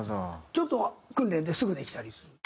ちょっと訓練ですぐできたりする。